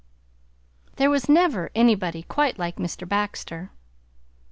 There was never anybody quite like Mr. Baxter.